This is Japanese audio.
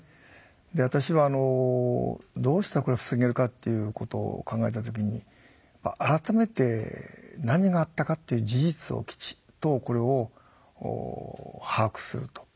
で私はどうしたらこれを防げるかっていうことを考えた時に改めて何があったかっていう事実をきちっとこれを把握すると。